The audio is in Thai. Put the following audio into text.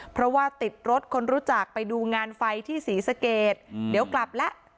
เพราะว่าติดรถคนรู้จักไปดูงานไฟที่ศรีสเกตเดี๋ยวกลับแล้ว